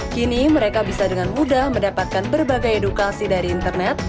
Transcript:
kini mereka bisa dengan mudah mendapatkan berbagai edukasi dari internet